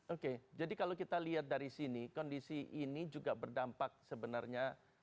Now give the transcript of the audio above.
oke jadi kalau kita lihat dari sini kondisi ini juga berdampak sebenarnya